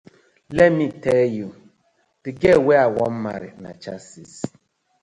Lemme teeh yu, de girl wey I wan marry na chasis.